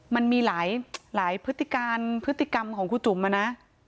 มันมีหลายพฤติกรรมของครูจุ๋มอะนะ